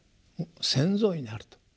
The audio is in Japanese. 先祖になると。